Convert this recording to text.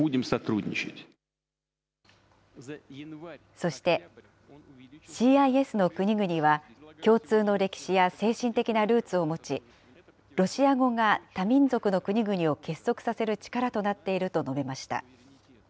そして、ＣＩＳの国々は、共通の歴史や精神的なルーツを持ち、ロシア語が多民族の国々を結束させる力となっていると述べました。